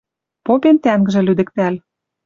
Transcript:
Попен тӓнгжӹ, лӱдӹктӓл.